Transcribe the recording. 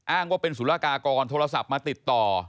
อ้างว่าเป็นสุรกากรโทรศัพท์มาติดต่อ